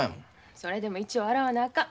それでも一応洗わなあかん。